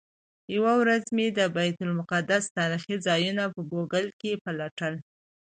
یوه ورځ مې د بیت المقدس تاریخي ځایونه ګوګل کې پلټل.